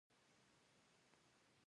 افغانستان د د ریګ دښتې کوربه دی.